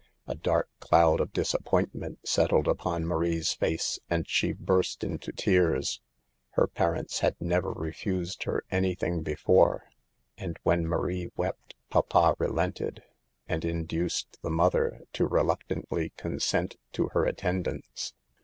A dark cloud of disappointment settled upon Marie's face and she burst into tears. Hex parents had never refused her any thing before, and when Marie wept papa relented, and in duced the mother to reluctantly consent to ner attendance.